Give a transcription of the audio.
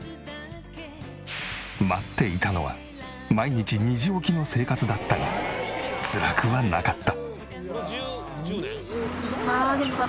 待っていたのは毎日２時起きの生活だったがつらくはなかった。